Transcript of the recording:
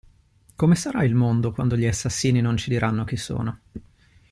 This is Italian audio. Come sarà il mondo quando gli assassini non ci diranno chi sono?